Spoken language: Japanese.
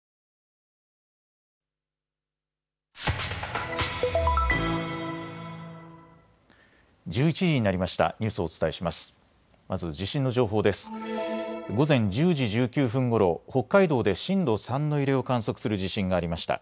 午前１０時１９分ごろ北海道で震度３の揺れを観測する地震がありました。